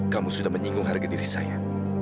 kamu sudah menyinggung harga diri saya